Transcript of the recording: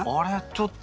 ちょっと。